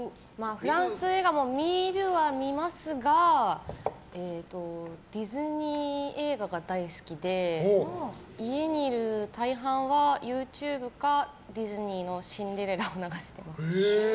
フランス映画も見るは見ますがディズニー映画が大好きで家にいる大半はＹｏｕＴｕｂｅかディズニーの「シンデレラ」を流してます。